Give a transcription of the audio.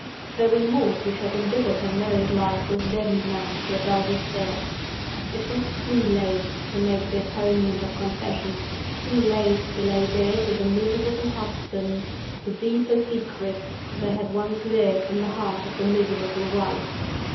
The remorse which had embittered her married life was deadened now to a dull despair. It was too late to make the atonement of confession—too late to lay bare to the miserable husband the deeper secrets that had once lurked in the heart of the miserable wife.